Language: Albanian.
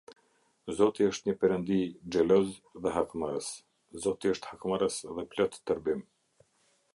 Zoti është një Perëndi xheloz dhe hakmarrës; Zoti është hakmarrës dhe plot tërbim.